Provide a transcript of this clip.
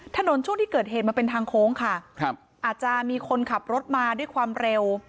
ช่วงที่เกิดเหตุมันเป็นทางโค้งค่ะครับอาจจะมีคนขับรถมาด้วยความเร็ว